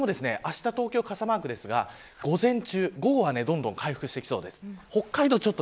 東日本、北日本を見てもこちらもあした東京、傘マークですが午前中、午後はどんどん回復してきそうです。